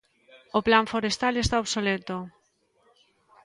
O Plan forestal está obsoleto.